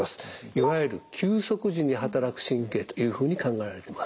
いわゆる休息時に働く神経というふうに考えられてます。